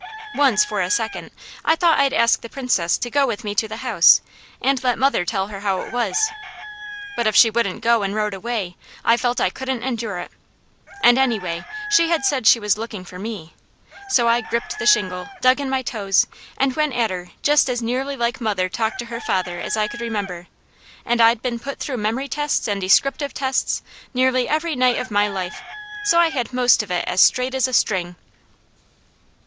Once, for a second, I thought I'd ask the Princess to go with me to the house, and let mother tell her how it was; but if she wouldn't go, and rode away, I felt I couldn't endure it, and anyway, she had said she was looking for me; so I gripped the shingle, dug in my toes and went at her just as nearly like mother talked to her father as I could remember, and I'd been put through memory tests, and descriptive tests, nearly every night of my life, so I had most of it as straight as a string.